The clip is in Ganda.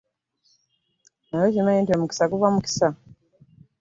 Naye okimanyi nti omukisa guba mukisa.